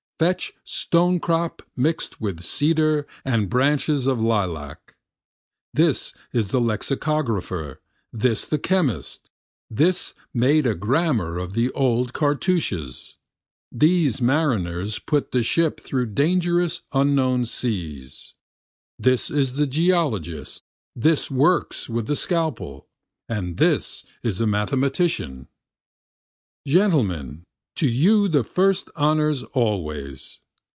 Fetch stonecrop mixt with cedar and branches of lilac, This is the lexicographer, this the chemist, this made a grammar of the old cartouches, These mariners put the ship through dangerous unknown seas. This is the geologist, this works with the scalper, and this is a mathematician. Gentlemen, to you the first honors always!